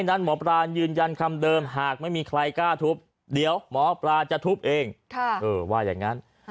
หมอปลานยืนยันคำเดิมหากไม่มีใครกล้าทุบเดี๋ยวหมอปลาจะทุบเองว่าอย่างนั้น